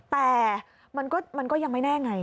แต่มันก็ยังไม่แน่ไง